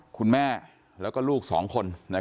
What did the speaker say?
คุณแม่และลูก๒คน